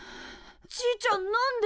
じいちゃんなんで？